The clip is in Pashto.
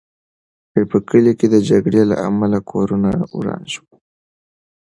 په کلي کې د جګړې له امله کورونه وران شول.